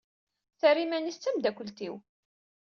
Terra iman-is d tamdakelt-iw.